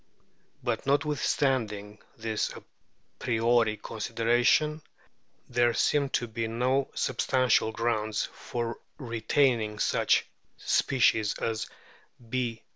But notwithstanding this a priori consideration there seem to be no sub stantial grounds for retaining such species as B.